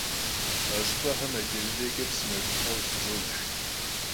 А щӏыпӏэхэм адэ-мыдэкӏэ псынэ цӏыкӏухэр къыщыщӏож.